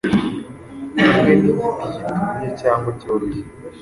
hamwe nigiti kitumye cyangwa cyorohye